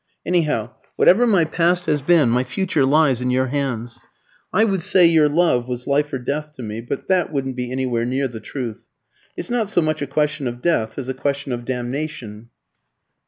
Anyhow, whatever my past has been, my future lies in your hands. I would say your love was life or death to me, but that wouldn't be anywhere near the truth. It's not so much a question of death as a question of damnation."